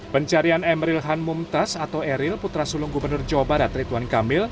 pencarian emeril han mumtaz atau eril putra sulung gubernur jawa barat rituan kamil